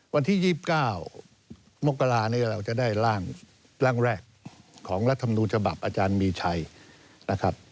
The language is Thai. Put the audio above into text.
วันที่๒๙โมกระลาสีเราจะได้ร่างแรกของลักษมณุจบับอาจารย์มีชัยนะครับ